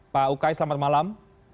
pak ukai selamat malam